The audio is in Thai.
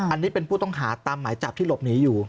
อันนี้เป็นผู้ต้องหาตามหมายจับที่หลบหนีอยู่